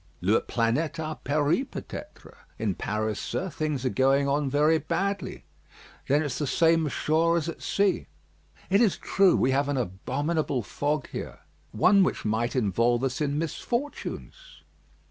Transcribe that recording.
"Leur planète a péri, peut être. In Paris, sir, things are going on very badly." "Then it's the same ashore as at sea." "It is true; we have an abominable fog here." "One which might involve us in misfortunes."